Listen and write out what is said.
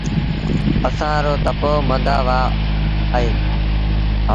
اسآݩ رو تپو مندآ وآه اهي